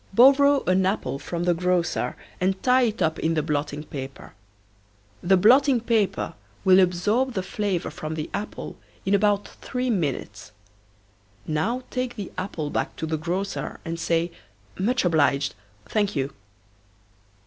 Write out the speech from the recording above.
Borrow an apple from the grocer and tie it up in the blotting paper. The blotting paper will absorb the flavor from the apple in about three minutes. Now take the apple back to the grocer and say, "Much obliged, thank you!"